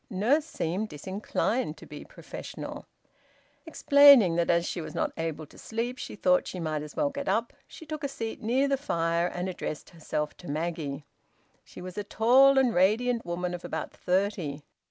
Nurse seemed disinclined to be professional. Explaining that as she was not able to sleep she thought she might as well get up, she took a seat near the fire and addressed herself to Maggie. She was a tall and radiant woman of about thirty.